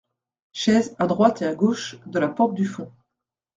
Chaise à droite et à gauche de la porte du fond.